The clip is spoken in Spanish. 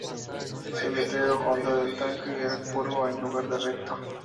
El letrero "Honda" del tanque era curvo en lugar de recto.